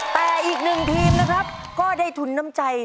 แต่อีกหนึ่งทีมนะครับก็ได้ทุนน้ำใจ